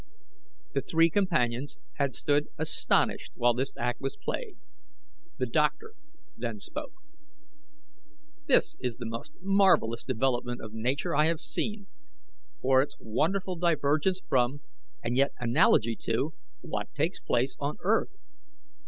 The three companions had stood astonished while this act was played. The doctor then spoke: "This is the most marvellous development of Nature I have seen, for its wonderful divergence from, and yet analogy to, what takes place on earth.